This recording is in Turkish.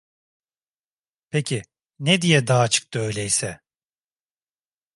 Peki, ne diye dağa çıktı öyleyse?